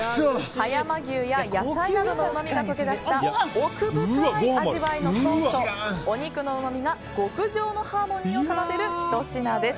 葉山牛や野菜などのうまみが溶け出した奥深い味わいのソースとお肉のうまみが極上のハーモニーを奏でるひと品です。